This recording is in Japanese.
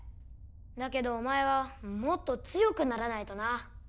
だけどお前はもっと強くならないとな